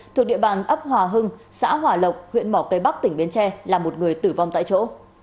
thuộc địa bàn ấp hòa hưng xã hòa lộc huyện mỏ cây bắc tỉnh bến tre là một người tử vong tại chỗ